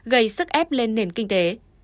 gây sức ép lên nền kinh tế